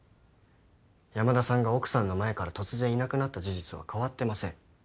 山田さんが奥さんの前から突然いなくなった事実は変わってません。